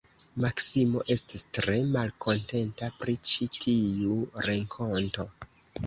Maksimo estis tre malkontenta pri ĉi tiu renkonto.